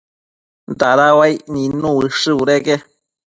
dada uaic nid ushë budeque